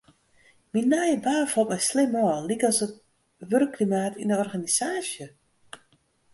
Myn nije baan falt my slim ôf, lykas it wurkklimaat yn de organisaasje.